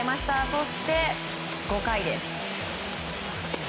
そして、５回です。